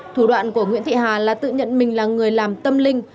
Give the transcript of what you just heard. thủ đoạn của nguyễn thị hà là tự nhận mình là người làm tâm linh